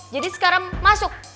jadi sekarang masuk